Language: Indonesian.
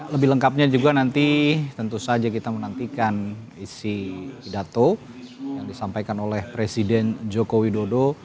lebih lengkapnya juga nanti tentu saja kita menantikan isi pidato yang disampaikan oleh presiden joko widodo